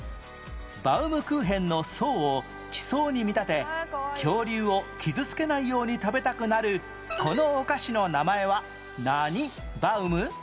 バウムクーヘンの層を地層に見立て恐竜を傷つけないように食べたくなるこのお菓子の名前は何バウム？